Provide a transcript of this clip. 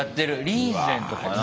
リーゼントかな？